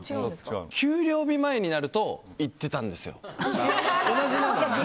給料日前になると行ってたんですよ。